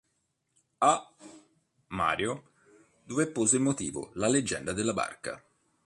A. Mario, dove propose il motivo "La leggenda della barca".